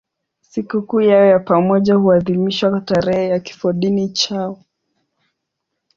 Sikukuu yao ya pamoja huadhimishwa tarehe ya kifodini chao.